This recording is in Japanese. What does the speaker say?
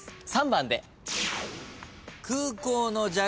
３番で。